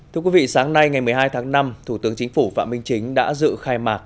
thưa quý vị sáng nay ngày một mươi hai tháng năm thủ tướng chính phủ phạm minh chính đã dự khai mạc